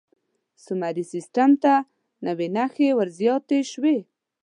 سومري سیستم ته نوې نښې ور زیاتې شوې.